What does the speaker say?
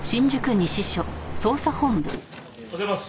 おはようございます。